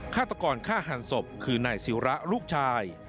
ฆาตกรฆ่าหันศพคือนายศิระลูกชาย